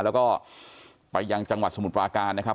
แล้วก็ไปยังจังหวัดสมุทรปราการนะครับ